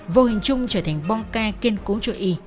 vô hình chung trở thành bong ca kiên cố cho y